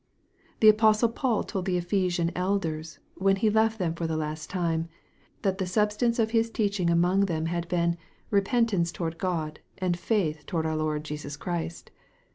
The apostle Paul told the Ephesian elders, when he left them for the last time, that the substance of his teaching among them had been " repentance towards God, and faith towards our Lord Jesus Christ."